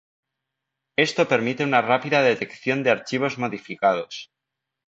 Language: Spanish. Esto permite una rápida detección de archivos modificados.